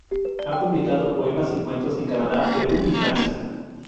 Ha publicado poemas y cuentos en Canadá, Perú y Francia.